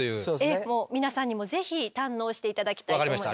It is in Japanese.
ええもう皆さんにもぜひ堪能して頂きたいと思います。